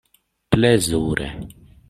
Plezure.